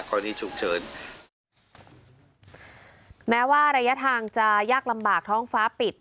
ที่ฉุกเฉินแม้ว่าระยะทางจะยากลำบากท้องฟ้าปิด